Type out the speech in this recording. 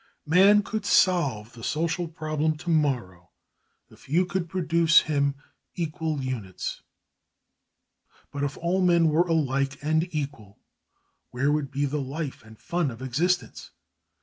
Man could solve the social problem to morrow if you could produce him equal units. But if all men were alike and equal, where would be the life and fun of existence?